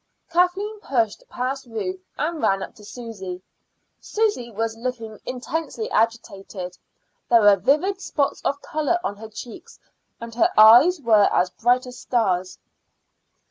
Kathleen pushed past Ruth and ran up to Susy. Susy was looking intensely agitated: there were vivid spots of color on her cheeks, and her eyes were as bright as stars.